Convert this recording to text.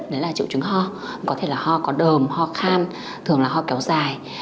đấy là triệu chứng ho có thể là ho có đờm ho khan thường là ho kéo dài